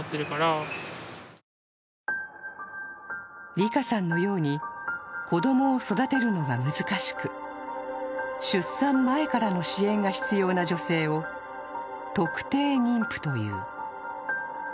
りかさんのように、子供を育てるのが難しく、出産前からの支援が必要な女性を特定妊婦という。